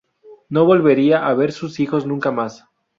No volvería a ver a sus hijos nunca más.